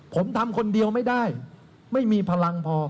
ผมทำคนเดียวไม่ได้ไม่มีพลังพอ